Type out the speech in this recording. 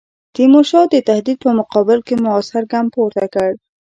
تیمورشاه د تهدید په مقابل کې موثر ګام پورته کړ.